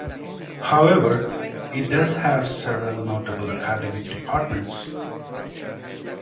However, it does have several notable academic departments.